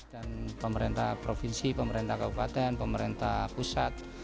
dan pemerintah provinsi pemerintah kabupaten pemerintah pusat